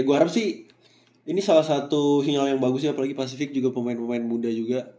gue harap sih ini salah satu sinyal yang bagus ya apalagi pasifik juga pemain pemain muda juga